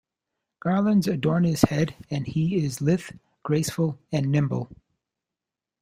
Garlands adorn his head, and he is lithe, graceful, and nimble.